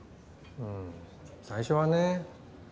うん最初はね。